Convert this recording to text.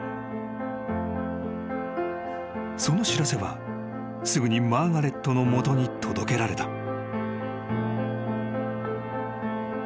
［その知らせはすぐにマーガレットの元に届けられた］